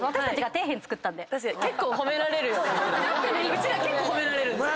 うちら結構褒められるんですよ。